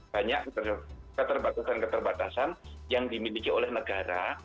banyak keterbatasan keterbatasan yang dimiliki oleh negara